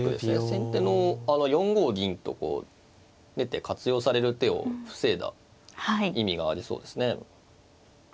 先手の４五銀とこう出て活用される手を防いだ意味がありそうですね。